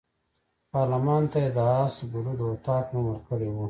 پارلمان ته یې د آس ګلو د اطاق نوم ورکړی وو.